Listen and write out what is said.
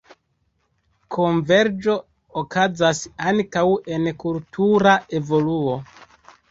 Konverĝo okazas ankaŭ en kultura evoluo.